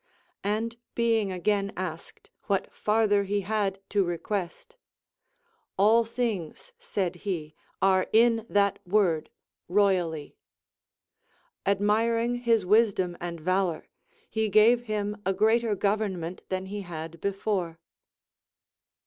And being again asked, Avhat farther he had to request ; All things, said he, are in that word royally. Admiring his wisdom and valor, he gave him a greater government than he had before.